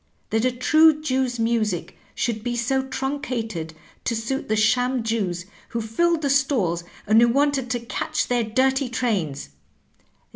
That a true Jew's music should be so truncated to suit the sham Jews who filled the stalls, and who wanted to catch their dirty trains!